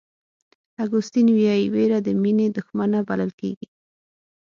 اګوستین وایي وېره د مینې دښمنه بلل کېږي.